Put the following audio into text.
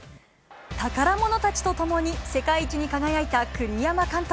宝物たちとともに世界一に輝いた栗山監督。